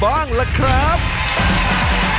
ในช่วงนี้ก็ถึงเวลากับศึกแห่งศักดิ์ศรีของฝ่ายชายกันบ้างล่ะครับ